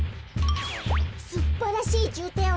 すっばらしいじゅうていおんだな。